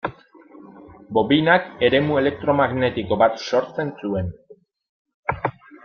Bobinak eremu elektromagnetiko bat sortzen zuen.